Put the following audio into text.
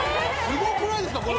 すごくないですか？